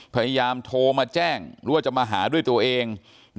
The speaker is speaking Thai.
พยายามโทรมาแจ้งหรือว่าจะมาหาด้วยตัวเอง